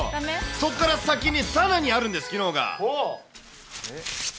そこから先にさらにあるんです、機能が。